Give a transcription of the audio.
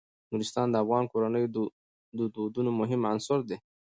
نورستان د افغان کورنیو د دودونو مهم عنصر دی.